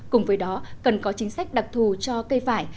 cùng với đó cần có chính sách đặc thù cho cây vải